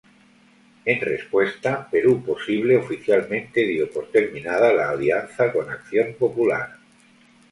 En respuesta, Perú Posible oficialmente dio por terminada la alianza con Acción Popular.